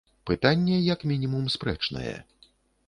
Пытанне, як мінімум, спрэчнае.